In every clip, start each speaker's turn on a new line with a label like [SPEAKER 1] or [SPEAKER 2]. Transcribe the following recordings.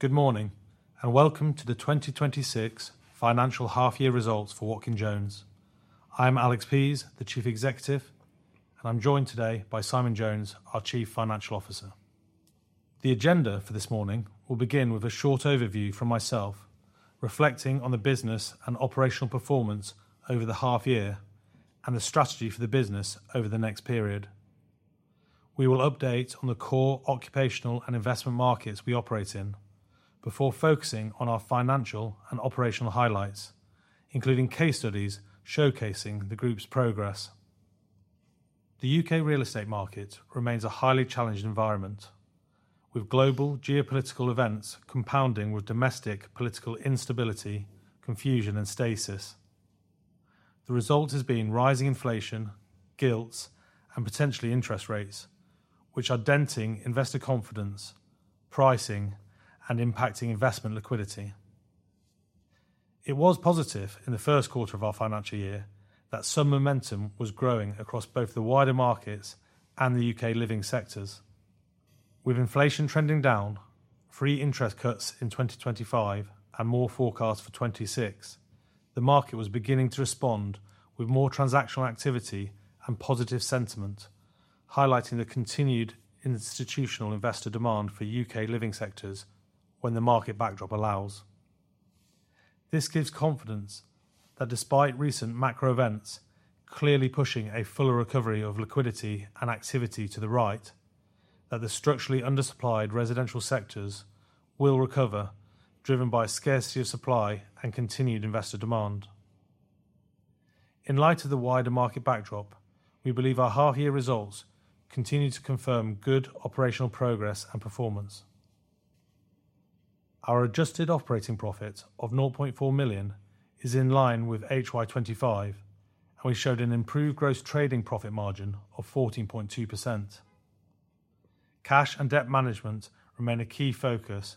[SPEAKER 1] Good morning, welcome to the 2026 financial half-year results for Watkin Jones. I am Alex Pease, the Chief Executive, and I am joined today by Simon Jones, our Chief Financial Officer. The agenda for this morning will begin with a short overview from myself, reflecting on the business and operational performance over the half year and the strategy for the business over the next period. We will update on the core occupational and investment markets we operate in before focusing on our financial and operational highlights, including case studies showcasing the group's progress. The U.K. real estate market remains a highly challenged environment, with global geopolitical events compounding with domestic political instability, confusion, and stasis. The result has been rising inflation, gilts, and potentially interest rates, which are denting investor confidence, pricing, and impacting investment liquidity. It was positive in the first quarter of our financial year that some momentum was growing across both the wider markets and the U.K. living sectors. With inflation trending down, three interest cuts in 2025 and more forecast for 2026, the market was beginning to respond with more transactional activity and positive sentiment, highlighting the continued institutional investor demand for U.K. living sectors when the market backdrop allows. This gives confidence that despite recent macro events clearly pushing a fuller recovery of liquidity and activity to the right, that the structurally undersupplied residential sectors will recover, driven by scarcity of supply and continued investor demand. In light of the wider market backdrop, we believe our half-year results continue to confirm good operational progress and performance. Our adjusted operating profit of 0.4 million is in line with FY 2025, and we showed an improved gross trading profit margin of 14.2%. Cash and debt management remain a key focus.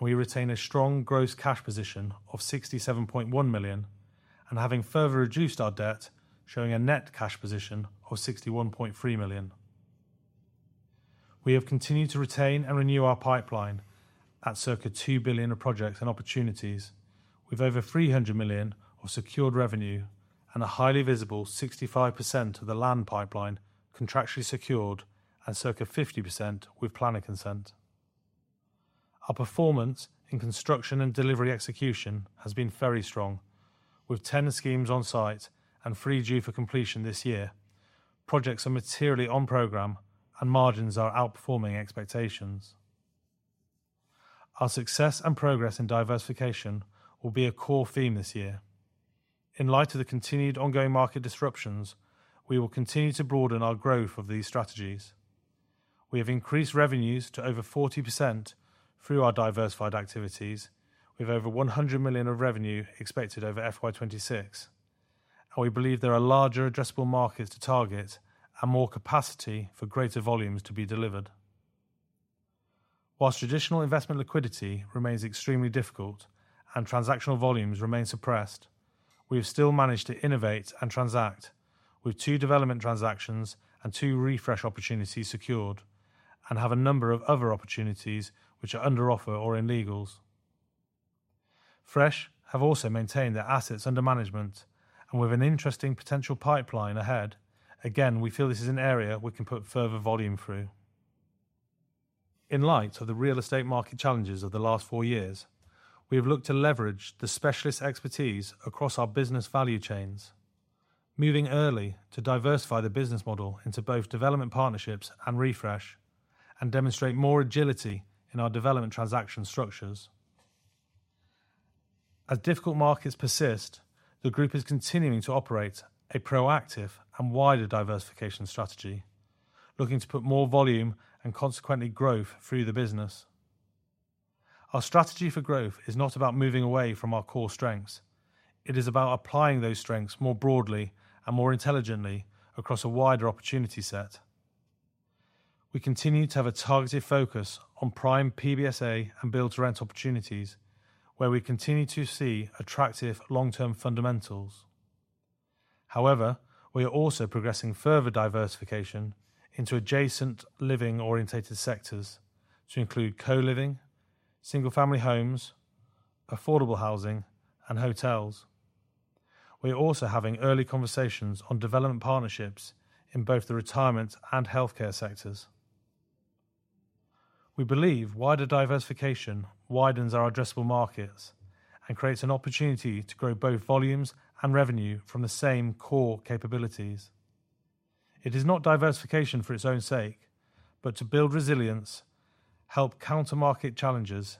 [SPEAKER 1] We retain a strong gross cash position of 67.1 million and having further reduced our debt, showing a net cash position of 61.3 million. We have continued to retain and renew our pipeline at circa 2 billion of projects and opportunities with over 300 million of secured revenue and a highly visible 65% of the land pipeline contractually secured and circa 50% with planning consent. Our performance in construction and delivery execution has been very strong with 10 schemes on site and three due for completion this year. Projects are materially on program and margins are outperforming expectations. Our success and progress in diversification will be a core theme this year. In light of the continued ongoing market disruptions, we will continue to broaden our growth of these strategies. We have increased revenues to over 40% through our diversified activities with over 100 million of revenue expected over FY 2026. We believe there are larger addressable markets to target and more capacity for greater volumes to be delivered. Whilst traditional investment liquidity remains extremely difficult and transactional volumes remain suppressed, we have still managed to innovate and transact with two development transactions and two Refresh opportunities secured and have a number of other opportunities which are under offer or in legals. Fresh have also maintained their assets under management and with an interesting potential pipeline ahead, again, we feel this is an area we can put further volume through. In light of the real estate market challenges of the last four years, we have looked to leverage the specialist expertise across our business value chains, moving early to diversify the business model into both development partnerships and Refresh and demonstrate more agility in our development transaction structures. As difficult markets persist, the group is continuing to operate a proactive and wider diversification strategy, looking to put more volume and consequently growth through the business. Our strategy for growth is not about moving away from our core strengths. It is about applying those strengths more broadly and more intelligently across a wider opportunity set. We continue to have a targeted focus on prime PBSA and Build-to-Rent opportunities where we continue to see attractive long-term fundamentals. However, we are also progressing further diversification into adjacent living-orientated sectors to include co-living, single-family homes, affordable housing, and hotels. We are also having early conversations on development partnerships in both the retirement and healthcare sectors. We believe wider diversification widens our addressable markets and creates an opportunity to grow both volumes and revenue from the same core capabilities. It is not diversification for its own sake, but to build resilience, help counter market challenges,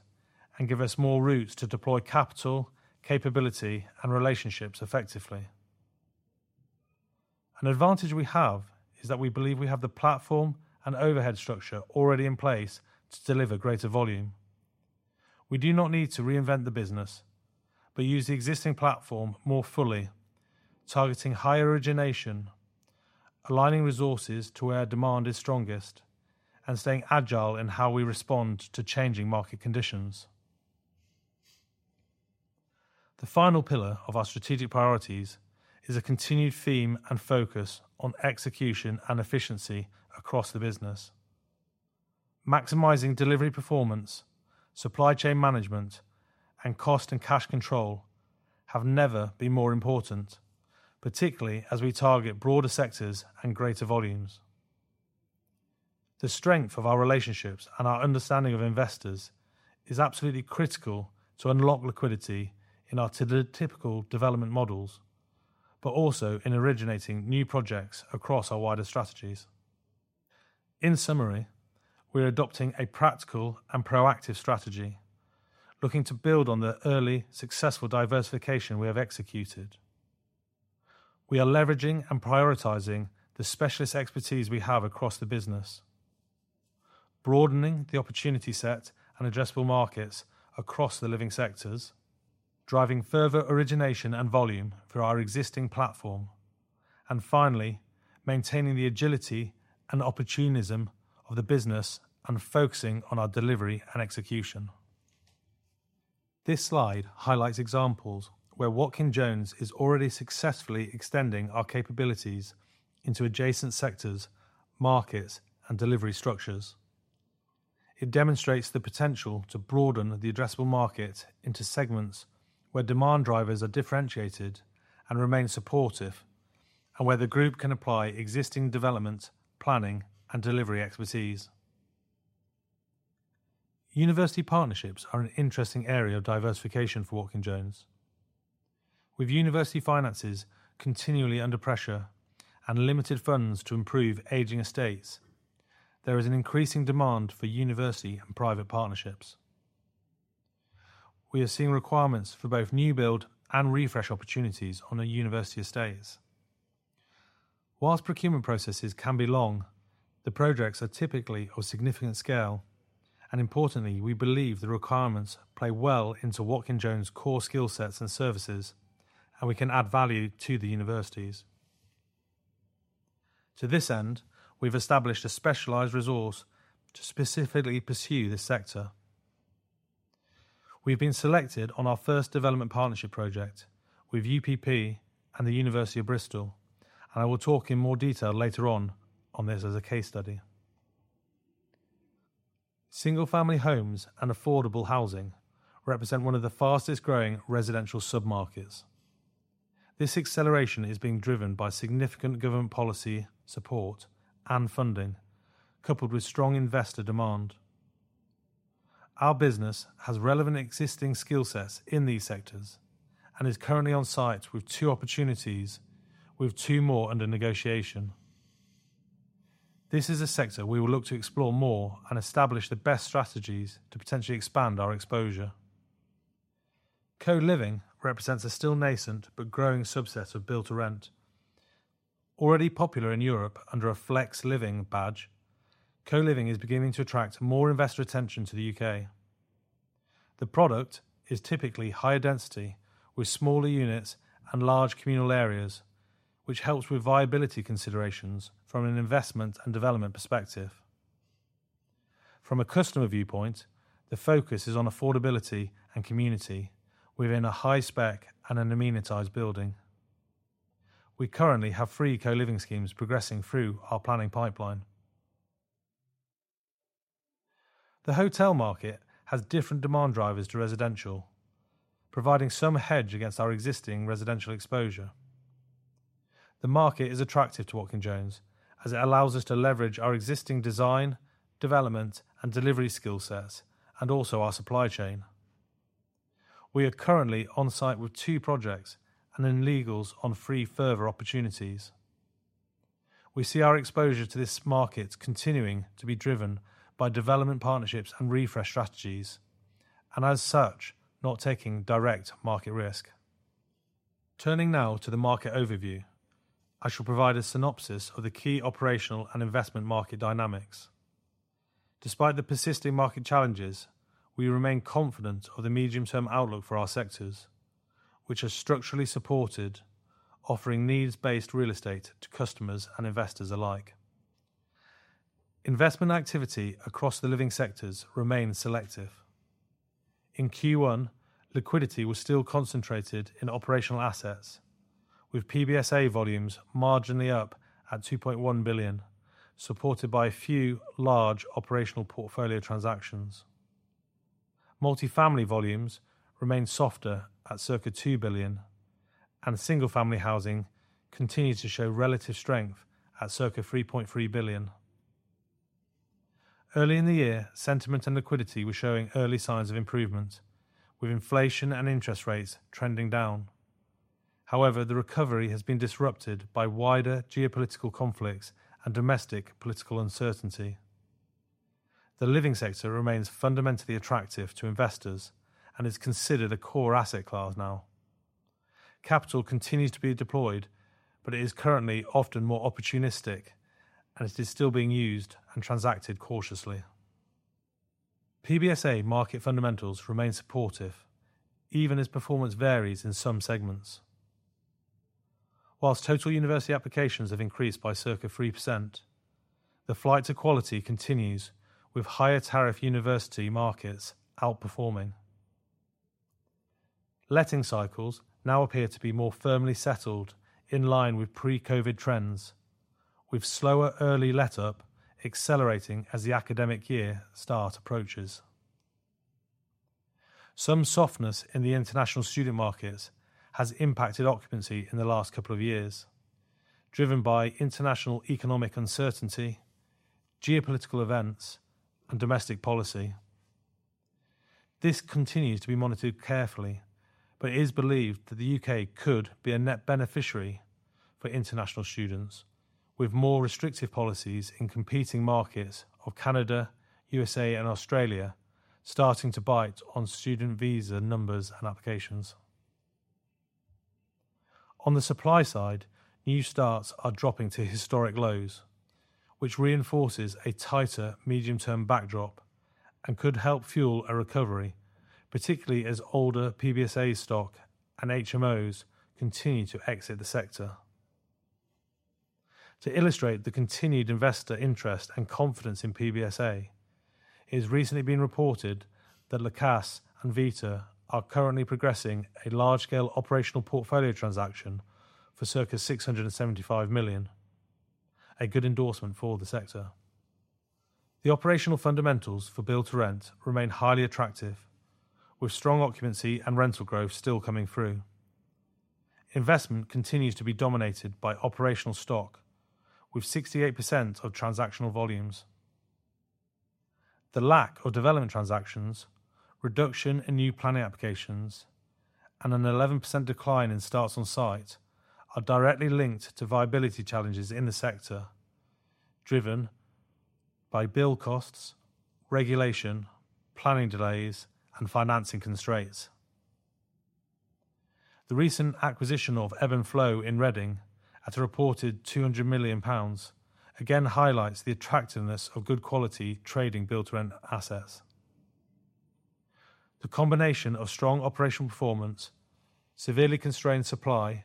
[SPEAKER 1] and give us more routes to deploy capital, capability, and relationships effectively. An advantage we have is that we believe we have the platform and overhead structure already in place to deliver greater volume. We do not need to reinvent the business, but use the existing platform more fully, targeting higher origination, aligning resources to where demand is strongest, and staying agile in how we respond to changing market conditions. The final pillar of our strategic priorities is a continued theme and focus on execution and efficiency across the business. Maximizing delivery performance, supply chain management, and cost and cash control have never been more important, particularly as we target broader sectors and greater volumes. The strength of our relationships and our understanding of investors is absolutely critical to unlock liquidity in our typical development models, but also in originating new projects across our wider strategies. In summary, we are adopting a practical and proactive strategy, looking to build on the early successful diversification we have executed. We are leveraging and prioritizing the specialist expertise we have across the business, broadening the opportunity set and addressable markets across the living sectors, driving further origination and volume through our existing platform, and finally, maintaining the agility and opportunism of the business and focusing on our delivery and execution. This slide highlights examples where Watkin Jones is already successfully extending our capabilities into adjacent sectors, markets, and delivery structures. It demonstrates the potential to broaden the addressable market into segments where demand drivers are differentiated and remain supportive, and where the group can apply existing development, planning, and delivery expertise. University partnerships are an interesting area of diversification for Watkin Jones. With university finances continually under pressure and limited funds to improve aging estates, there is an increasing demand for university and private partnerships. We are seeing requirements for both new build and refresh opportunities on the university estates. Whilst procurement processes can be long, the projects are typically of significant scale, and importantly, we believe the requirements play well into Watkin Jones' core skill sets and services, and we can add value to the universities. To this end, we've established a specialized resource to specifically pursue this sector. We've been selected on our first development partnership project with UPP and the University of Bristol, and I will talk in more detail later on this as a case study. Single-family homes and affordable housing represent one of the fastest growing residential sub-markets. This acceleration is being driven by significant government policy support and funding, coupled with strong investor demand. Our business has relevant existing skill sets in these sectors and is currently on site with two opportunities, with two more under negotiation. This is a sector we will look to explore more and establish the best strategies to potentially expand our exposure. Co-living represents a still nascent but growing subset of Build-to-Rent. Already popular in Europe under a flex living badge, co-living is beginning to attract more investor attention to the U.K. The product is typically higher density with smaller units and large communal areas, which helps with viability considerations from an investment and development perspective. From a customer viewpoint, the focus is on affordability and community within a high spec and an amenitized building. We currently have three co-living schemes progressing through our planning pipeline. The hotel market has different demand drivers to residential, providing some hedge against our existing residential exposure. The market is attractive to Watkin Jones as it allows us to leverage our existing design, development, and delivery skill sets, and also our supply chain. We are currently on site with two projects and in legals on three further opportunities. We see our exposure to this market continuing to be driven by development partnerships and refresh strategies, and as such, not taking direct market risk. Turning now to the market overview, I shall provide a synopsis of the key operational and investment market dynamics. Despite the persisting market challenges, we remain confident of the medium-term outlook for our sectors, which are structurally supported, offering needs-based real estate to customers and investors alike. Investment activity across the living sectors remains selective. In Q1, liquidity was still concentrated in operational assets, with PBSA volumes marginally up at 2.1 billion, supported by a few large operational portfolio transactions. Multifamily volumes remained softer at circa 2 billion, and single-family housing continued to show relative strength at circa 3.3 billion. Early in the year, sentiment and liquidity were showing early signs of improvement, with inflation and interest rates trending down. The recovery has been disrupted by wider geopolitical conflicts and domestic political uncertainty. The living sector remains fundamentally attractive to investors and is considered a core asset class now. Capital continues to be deployed, but it is currently often more opportunistic as it is still being used and transacted cautiously. PBSA market fundamentals remain supportive, even as performance varies in some segments. Whilst total university applications have increased by circa 3%, the flight to quality continues with higher tariff university markets outperforming. Letting cycles now appear to be more firmly settled in line with pre-COVID trends, with slower early letup accelerating as the academic year start approaches. Some softness in the international student markets has impacted occupancy in the last couple of years, driven by international economic uncertainty, geopolitical events, and domestic policy. This continues to be monitored carefully, but it is believed that the U.K. could be a net beneficiary for international students, with more restrictive policies in competing markets of Canada, USA, and Australia starting to bite on student visa numbers and applications. On the supply side, new starts are dropping to historic lows, which reinforces a tighter medium-term backdrop and could help fuel a recovery, particularly as older PBSA stock and HMOs continue to exit the sector. To illustrate the continued investor interest and confidence in PBSA, it has recently been reported that La Caisse and Vita are currently progressing a large-scale operational portfolio transaction for circa 675 million. A good endorsement for the sector. The operational fundamentals for Build-to-Rent remain highly attractive, with strong occupancy and rental growth still coming through. Investment continues to be dominated by operational stock with 68% of transactional volumes. The lack of development transactions, reduction in new planning applications, and an 11% decline in starts on site are directly linked to viability challenges in the sector, driven by build costs, regulation, planning delays, and financing constraints. The recent acquisition of Ebb & Flow in Reading at a reported 200 million pounds again highlights the attractiveness of good-quality trading Build-to-Rent assets. The combination of strong operational performance, severely constrained supply,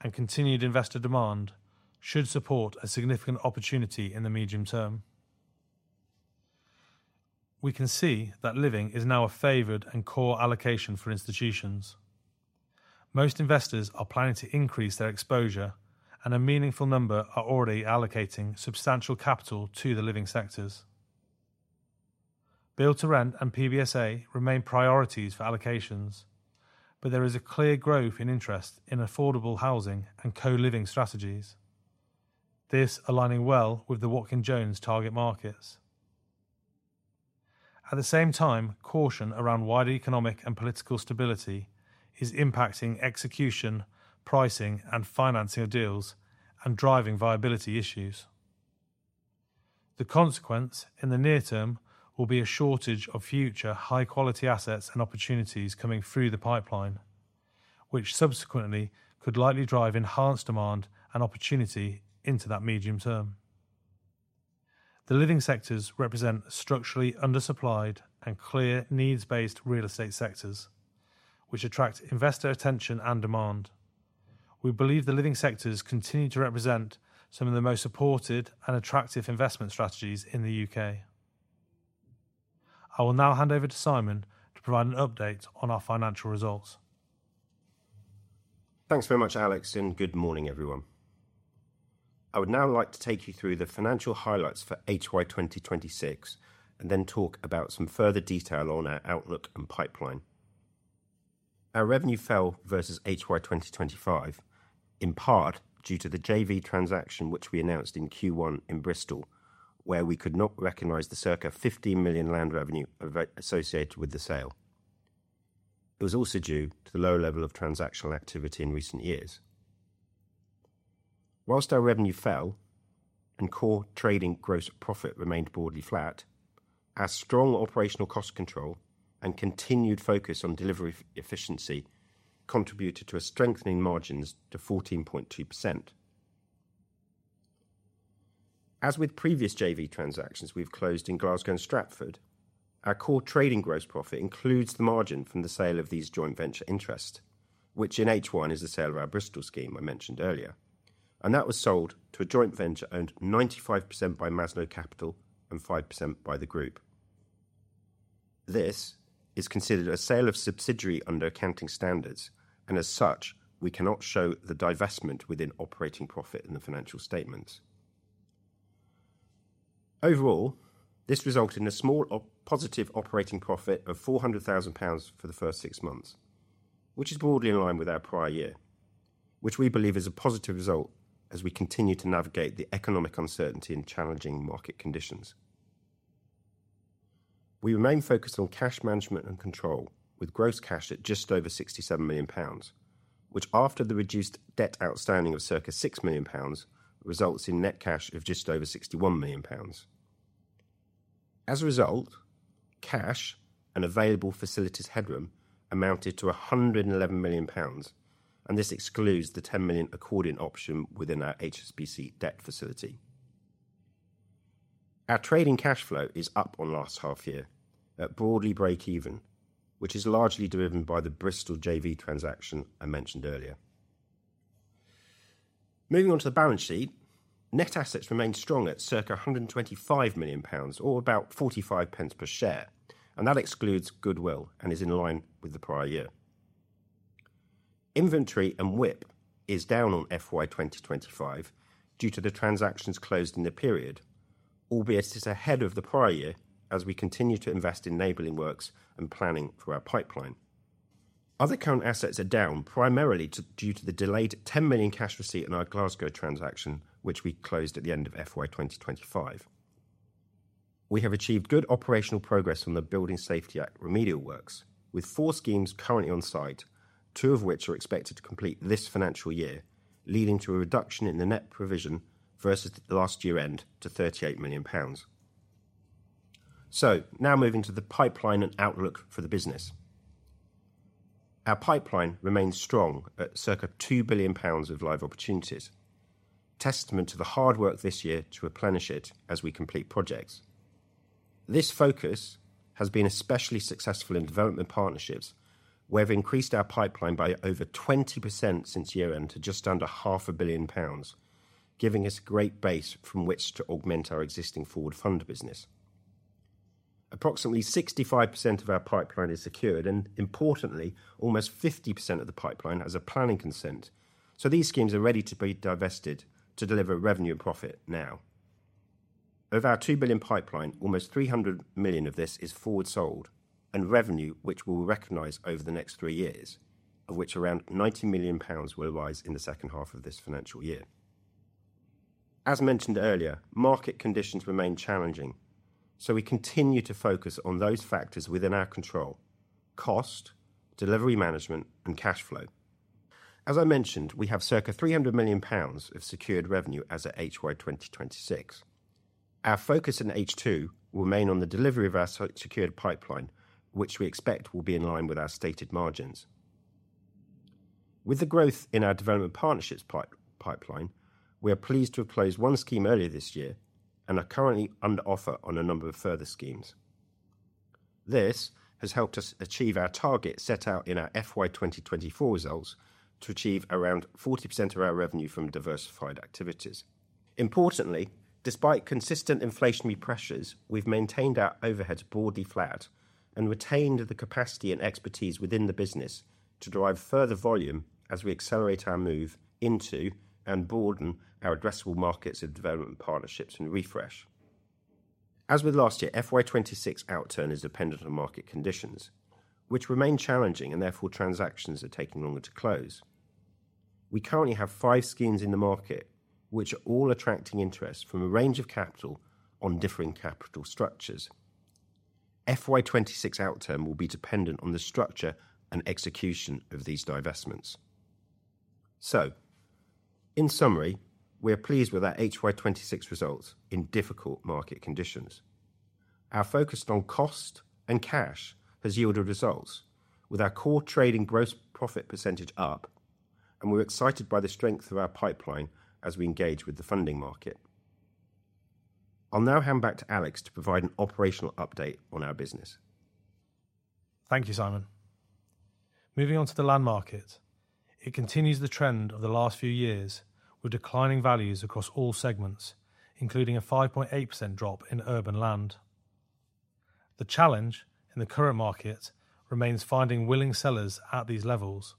[SPEAKER 1] and continued investor demand should support a significant opportunity in the medium term. We can see that living is now a favored and core allocation for institutions. Most investors are planning to increase their exposure, and a meaningful number are already allocating substantial capital to the Living sectors. Build-to-Rent and PBSA remain priorities for allocations, but there is a clear growth in interest in affordable housing and co-living strategies. This aligning well with the Watkin Jones target markets. At the same time, caution around wider economic and political stability is impacting execution, pricing, and financing of deals and driving viability issues. The consequence in the near term will be a shortage of future high-quality assets and opportunities coming through the pipeline, which subsequently could likely drive enhanced demand and opportunity into that medium term. The Living sectors represent structurally undersupplied and clear needs-based real estate sectors, which attract investor attention and demand. We believe the Living sectors continue to represent some of the most supported and attractive investment strategies in the U.K. I will now hand over to Simon to provide an update on our financial results.
[SPEAKER 2] Thanks very much, Alex. Good morning, everyone. I would now like to take you through the financial highlights for HY 2026 and then talk about some further detail on our outlook and pipeline. Our revenue fell versus HY 2025, in part due to the JV transaction, which we announced in Q1 in Bristol, where we could not recognize the circa 15 million land revenue associated with the sale. It was also due to the low level of transactional activity in recent years. Whilst our revenue fell and core trading gross profit remained broadly flat, our strong operational cost control and continued focus on delivery efficiency contributed to a strengthening margins to 14.2%. As with previous JV transactions we've closed in Glasgow and Stratford, our core trading gross profit includes the margin from the sale of these joint venture interests, which in H1 is the sale of our Bristol scheme I mentioned earlier, and that was sold to a joint venture owned 95% by Maslow Capital and 5% by the group. As such, we cannot show the divestment within operating profit in the financial statements. Overall, this resulted in a small positive operating profit of 400,000 pounds for the first six months, which is broadly in line with our prior year, which we believe is a positive result as we continue to navigate the economic uncertainty and challenging market conditions. We remain focused on cash management and control with gross cash at just over 67 million pounds, which after the reduced debt outstanding of circa 6 million pounds, results in net cash of just over 61 million pounds. As a result, cash and available facilities headroom amounted to 111 million pounds. This excludes the 10 million accordion option within our HSBC debt facility. Our trading cash flow is up on last half year at broadly breakeven, which is largely driven by the Bristol JV transaction I mentioned earlier. Moving on to the balance sheet, net assets remain strong at circa 125 million pounds, or about 0.45 per share. That excludes goodwill and is in line with the prior year. Inventory and WIP is down on FY 2025 due to the transactions closed in the period, albeit is ahead of the prior year as we continue to invest in enabling works and planning for our pipeline. Other current assets are down primarily due to the delayed 10 million cash receipt in our Glasgow transaction, which we closed at the end of FY 2025. We have achieved good operational progress on the Building Safety Act remedial works with four schemes currently on site, two of which are expected to complete this financial year, leading to a reduction in the net provision versus the last year end to 38 million pounds. Now moving to the pipeline and outlook for the business. Our pipeline remains strong at circa 2 billion pounds of live opportunities, testament to the hard work this year to replenish it as we complete projects. This focus has been especially successful in development partnerships where we've increased our pipeline by over 20% since year end to just under half a billion pounds, giving us a great base from which to augment our existing forward fund business. Approximately 65% of our pipeline is secured, importantly, almost 50% of the pipeline has a planning consent, these schemes are ready to be divested to deliver revenue and profit now. Of our 2 billion pipeline, almost 300 million of this is forward sold and revenue which we will recognize over the next three years, of which around 90 million pounds will arise in the second half of this financial year. As mentioned earlier, market conditions remain challenging, we continue to focus on those factors within our control: cost, delivery management, and cash flow. As I mentioned, we have circa 300 million pounds of secured revenue as of HY 2026. Our focus in H2 will remain on the delivery of our secured pipeline, which we expect will be in line with our stated margins. With the growth in our development partnerships pipeline, we are pleased to have closed one scheme earlier this year and are currently under offer on a number of further schemes. This has helped us achieve our target set out in our FY 2024 results to achieve around 40% of our revenue from diversified activities. Importantly, despite consistent inflationary pressures, we've maintained our overheads broadly flat and retained the capacity and expertise within the business to drive further volume as we accelerate our move into and broaden our addressable markets of development partnerships and Refresh. As with last year, FY 2026 outturn is dependent on market conditions which remain challenging and therefore transactions are taking longer to close. We currently have five schemes in the market which are all attracting interest from a range of capital on differing capital structures. FY 2026 outturn will be dependent on the structure and execution of these divestments. In summary, we are pleased with our HY 2026 results in difficult market conditions. Our focus on cost and cash has yielded results with our core trading gross profit % up, and we're excited by the strength of our pipeline as we engage with the funding market. I'll now hand back to Alex to provide an operational update on our business.
[SPEAKER 1] Thank you, Simon. Moving on to the land market. It continues the trend of the last few years with declining values across all segments, including a 5.8% drop in urban land. The challenge in the current market remains finding willing sellers at these levels,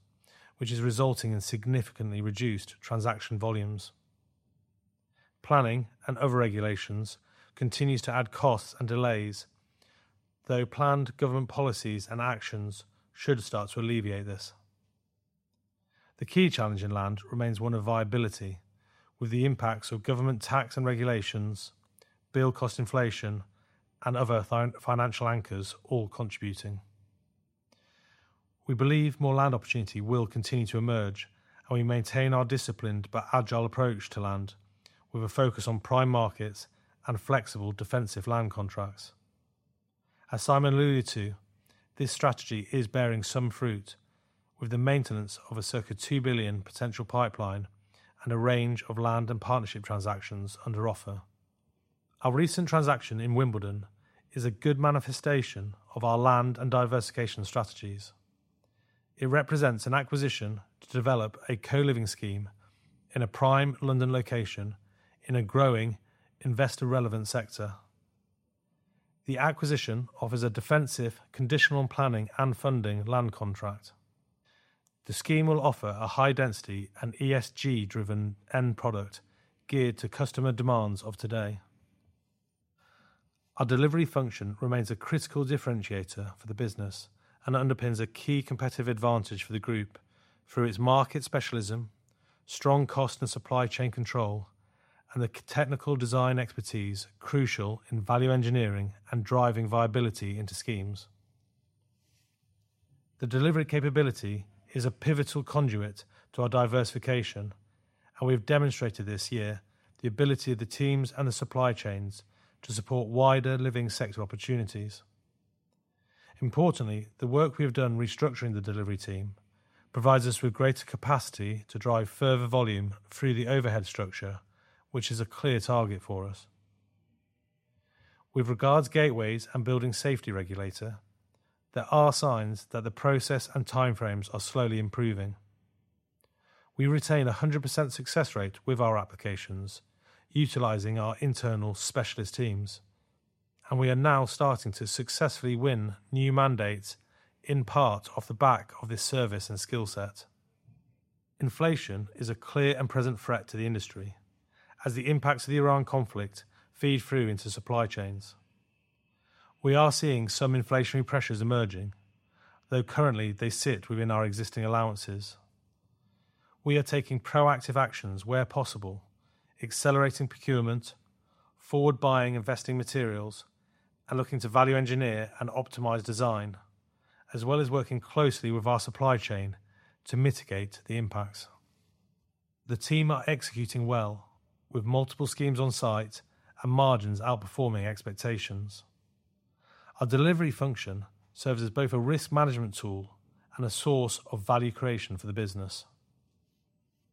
[SPEAKER 1] which is resulting in significantly reduced transaction volumes. Planning and other regulations continues to add costs and delays, though planned government policies and actions should start to alleviate this. The key challenge in land remains one of viability, with the impacts of government tax and regulations, build cost inflation, and other financial anchors all contributing. We believe more land opportunity will continue to emerge, we maintain our disciplined but agile approach to land with a focus on prime markets and flexible defensive land contracts. As Simon alluded to, this strategy is bearing some fruit with the maintenance of a circa 2 billion potential pipeline and a range of land and partnership transactions under offer. Our recent transaction in Wimbledon is a good manifestation of our land and diversification strategies. It represents an acquisition to develop a co-living scheme in a prime London location in a growing investor relevant sector. The acquisition offers a defensive, conditional planning and funding land contract. The scheme will offer a high density and ESG driven end product geared to customer demands of today. Our delivery function remains a critical differentiator for the business and underpins a key competitive advantage for the group through its market specialism, strong cost and supply chain control, and the technical design expertise crucial in value engineering and driving viability into schemes. The delivery capability is a pivotal conduit to our diversification, and we have demonstrated this year the ability of the teams and the supply chains to support wider living sector opportunities. Importantly, the work we have done restructuring the delivery team provides us with greater capacity to drive further volume through the overhead structure, which is a clear target for us. With regards gateways and Building Safety Regulator, there are signs that the process and timeframes are slowly improving. We retain 100% success rate with our applications utilizing our internal specialist teams, and we are now starting to successfully win new mandates in part off the back of this service and skillset. Inflation is a clear and present threat to the industry as the impacts of the Iran conflict feed through into supply chains. We are seeing some inflationary pressures emerging, though currently they sit within our existing allowances. We are taking proactive actions where possible, accelerating procurement, forward buying inventory materials, and looking to value engineer and optimize design, as well as working closely with our supply chain to mitigate the impacts. The team are executing well with multiple schemes on site and margins outperforming expectations. Our delivery function serves as both a risk management tool and a source of value creation for the business.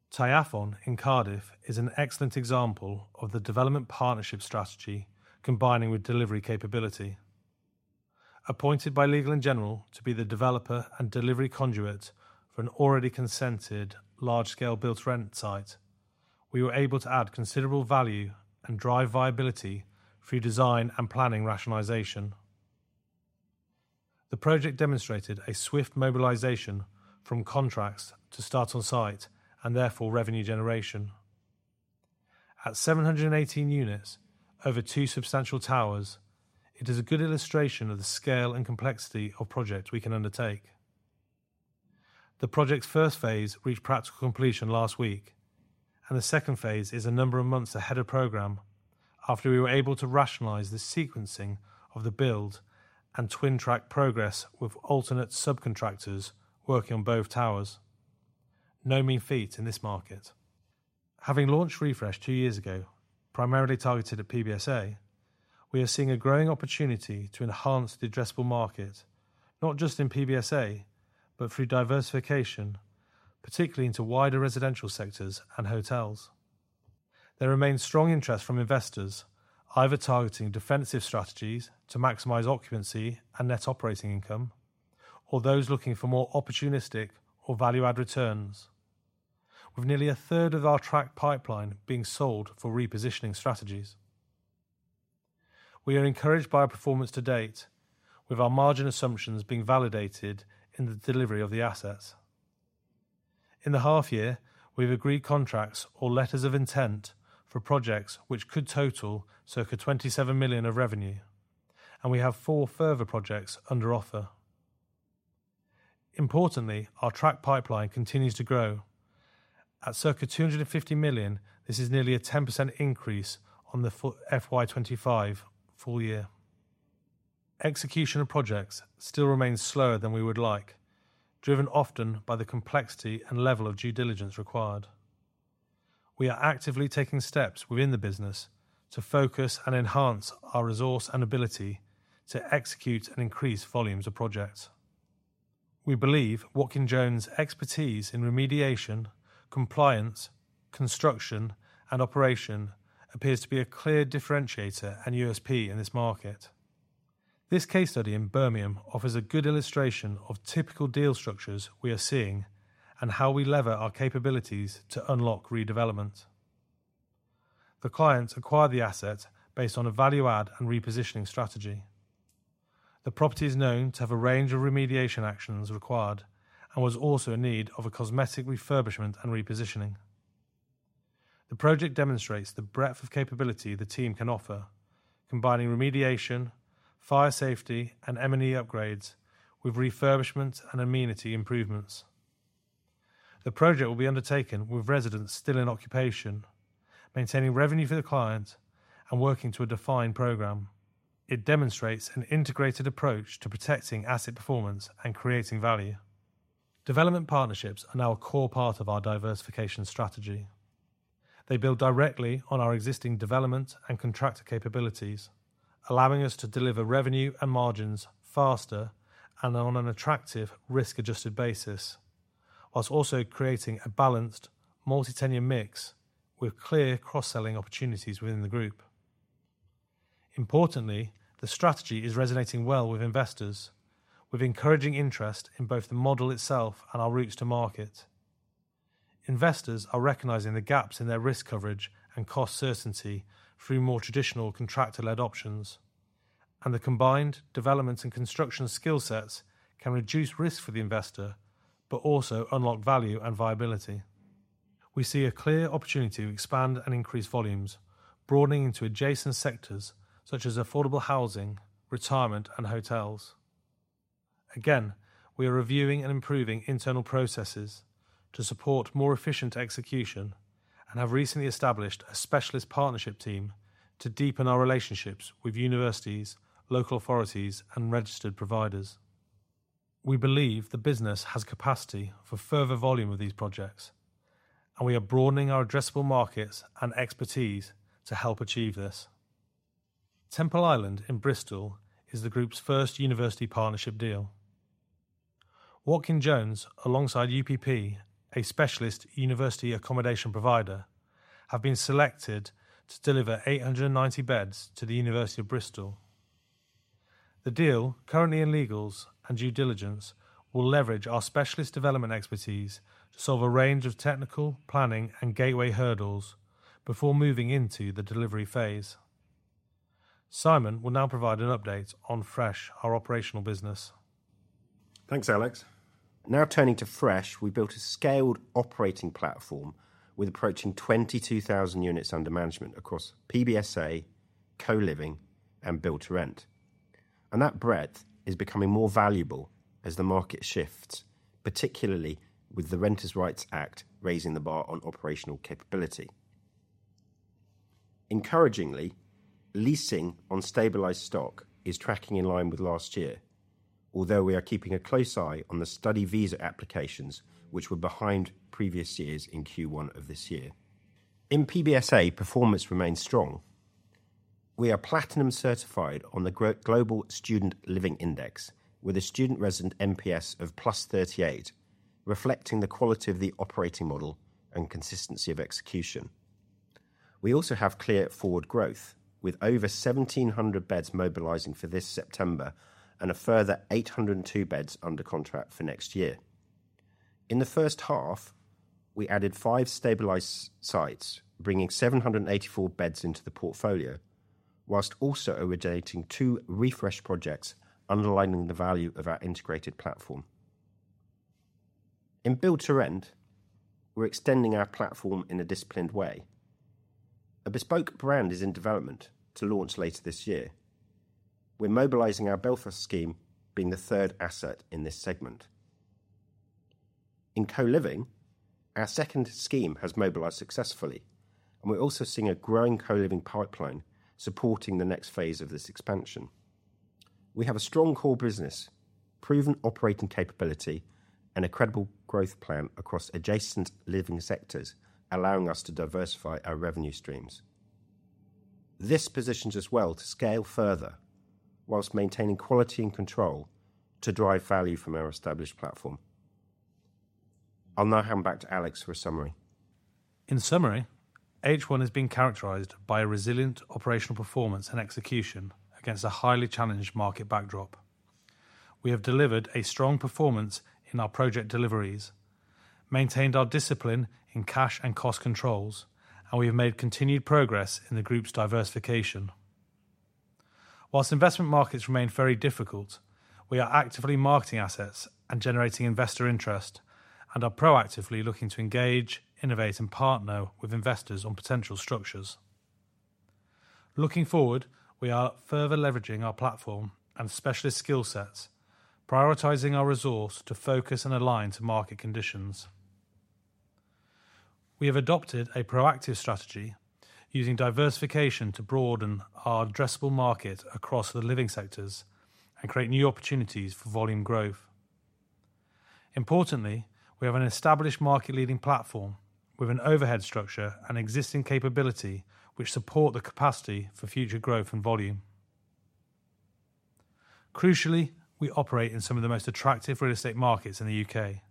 [SPEAKER 1] Ty Afon in Cardiff is an excellent example of the development partnership strategy combining with delivery capability. Appointed by Legal & General to be the developer and delivery conduit for an already consented large-scale Build-to-Rent site, we were able to add considerable value and drive viability through design and planning rationalization. The project demonstrated a swift mobilization from contracts to start on site and therefore revenue generation. At 718 units over two substantial towers, it is a good illustration of the scale and complexity of projects we can undertake. The project's first phase reached practical completion last week, and the second phase is a number of months ahead of program after we were able to rationalize the sequencing of the build and twin track progress with alternate subcontractors working on both towers. No mean feat in this market. Having launched Refresh two years ago, primarily targeted at PBSA, we are seeing a growing opportunity to enhance the addressable market, not just in PBSA, but through diversification, particularly into wider residential sectors and hotels. There remains strong interest from investors, either targeting defensive strategies to maximize occupancy and net operating income, or those looking for more opportunistic or value-add returns. With nearly a third of our tracked pipeline being sold for repositioning strategies. We are encouraged by our performance to date with our margin assumptions being validated in the delivery of the assets. In the half year, we've agreed contracts or letters of intent for projects which could total circa 27 million of revenue, and we have four further projects under offer. Importantly, our tracked pipeline continues to grow. At circa 250 million, this is nearly a 10% increase on the FY 2025 full year. Execution of projects still remains slower than we would like, driven often by the complexity and level of due diligence required. We are actively taking steps within the business to focus and enhance our resource and ability to execute and increase volumes of projects. We believe Watkin Jones' expertise in remediation, compliance, construction, and operation appears to be a clear differentiator and USP in this market. This case study in Birmingham offers a good illustration of typical deal structures we are seeing and how we lever our capabilities to unlock redevelopment. The client acquired the asset based on a value add and repositioning strategy. The property is known to have a range of remediation actions required and was also in need of a cosmetic refurbishment and repositioning. The project demonstrates the breadth of capability the team can offer, combining remediation, fire safety, and M&E upgrades with refurbishment and amenity improvements. The project will be undertaken with residents still in occupation, maintaining revenue for the client and working to a defined program. It demonstrates an integrated approach to protecting asset performance and creating value. Development partnerships are now a core part of our diversification strategy. They build directly on our existing development and contractor capabilities, allowing us to deliver revenue and margins faster and on an attractive risk-adjusted basis, while also creating a balanced multi-tenant mix with clear cross-selling opportunities within the group. Importantly, the strategy is resonating well with investors with encouraging interest in both the model itself and our routes to market. Investors are recognizing the gaps in their risk coverage and cost certainty through more traditional contractor-led options, and the combined developments and construction skill sets can reduce risk for the investor but also unlock value and viability. We see a clear opportunity to expand and increase volumes, broadening into adjacent sectors such as affordable housing, retirement, and hotels. Again, we are reviewing and improving internal processes to support more efficient execution and have recently established a specialist partnership team to deepen our relationships with universities, local authorities, and registered providers. We believe the business has capacity for further volume of these projects, and we are broadening our addressable markets and expertise to help achieve this. Temple Island in Bristol is the group's first university partnership deal. Watkin Jones, alongside UPP, a specialist university accommodation provider, have been selected to deliver 890 beds to the University of Bristol. The deal, currently in legals and due diligence, will leverage our specialist development expertise to solve a range of technical, planning and gateway hurdles before moving into the delivery phase. Simon will now provide an update on Fresh, our operational business.
[SPEAKER 2] Thanks, Alex. Turning to Fresh, we built a scaled operating platform with approaching 22,000 units under management across PBSA, co-living, and Build-to-Rent. That breadth is becoming more valuable as the market shifts, particularly with the Renters' Rights Act raising the bar on operational capability. Encouragingly, leasing on stabilized stock is tracking in line with last year, although we are keeping a close eye on the study visa applications, which were behind previous years in Q1 of this year. In PBSA, performance remains strong. We are platinum certified on the Global Student Living Index, with a student resident NPS of +38, reflecting the quality of the operating model and consistency of execution. We also have clear forward growth, with over 1,700 beds mobilizing for this September and a further 802 beds under contract for next year. In the first half, we added five stabilized sites, bringing 784 beds into the portfolio, while also originating two Refresh projects, underlining the value of our integrated platform. In Build-to-Rent, we're extending our platform in a disciplined way. A bespoke brand is in development to launch later this year. We're mobilizing our Belfast scheme, being the third asset in this segment. In co-living, our second scheme has mobilized successfully, and we're also seeing a growing co-living pipeline supporting the next phase of this expansion. We have a strong core business, proven operating capability, and a credible growth plan across adjacent living sectors, allowing us to diversify our revenue streams. This positions us well to scale further while maintaining quality and control to drive value from our established platform. I'll now hand back to Alex for a summary.
[SPEAKER 1] In summary, H1 has been characterized by a resilient operational performance and execution against a highly challenged market backdrop. We have delivered a strong performance in our project deliveries, maintained our discipline in cash and cost controls, and we have made continued progress in the group's diversification. While investment markets remain very difficult, we are actively marketing assets and generating investor interest and are proactively looking to engage, innovate, and partner with investors on potential structures. Looking forward, we are further leveraging our platform and specialist skill sets, prioritizing our resource to focus and align to market conditions. We have adopted a proactive strategy using diversification to broaden our addressable market across the living sectors and create new opportunities for volume growth. Importantly, we have an established market-leading platform with an overhead structure and existing capability which support the capacity for future growth and volume. Crucially, we operate in some of the most attractive real estate markets in the U.K.,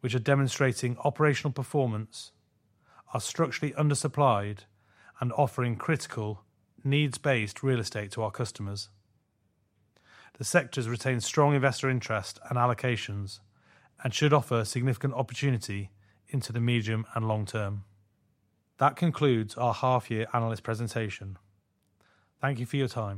[SPEAKER 1] which are demonstrating operational performance, are structurally undersupplied, and offering critical needs-based real estate to our customers. The sectors retain strong investor interest and allocations and should offer significant opportunity into the medium and long term. That concludes our half-year analyst presentation. Thank you for your time.